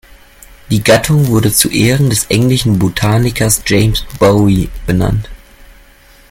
Die Gattung wurde zu Ehren des englischen Botanikers James Bowie benannt.